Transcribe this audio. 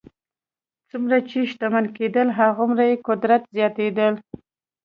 څومره چې شتمن کېدل هغومره یې قدرت زیاتېده.